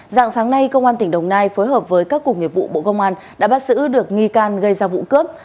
dạng sáng nay công an tỉnh đồng nai phối hợp với các cục nghiệp vụ bộ công an đã bắt giữ được nghi can gây ra vụ cướp